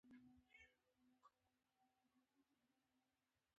بیا به نه کومه ستونزه وي او نه سر خوږی.